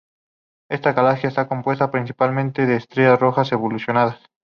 Esta galaxia está compuesta principalmente de estrellas rojas evolucionadas.